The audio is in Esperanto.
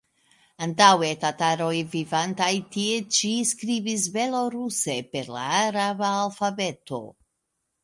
Antaŭe tataroj vivantaj tie ĉi skribis beloruse per la araba alfabeto.